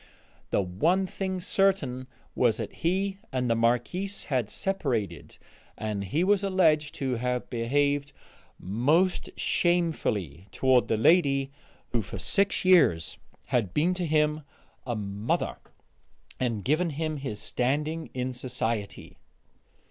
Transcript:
The one thing certain was that he and the Marquise had separated, and he was alleged to have behaved most shamefully toward the lady who for six years had been to him a mother and given him his standing in society.